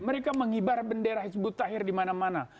mereka mengibar bendera hizbut tahir di mana mana